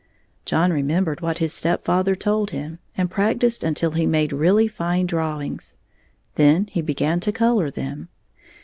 John remembered what his stepfather told him and practised until he made really fine drawings. Then he began to color them.